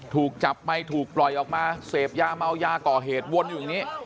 ถูกจับไมค์ถูกปล่อยออกมาเสพยาเมายาก่อเหตุวนอยู่อย่างนี้